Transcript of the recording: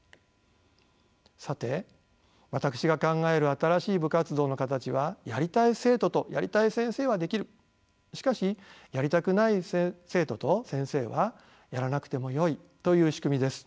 さて私が考える新しい部活動の形はやりたい生徒とやりたい先生はできるしかしやりたくない生徒と先生はやらなくてもよいという仕組みです。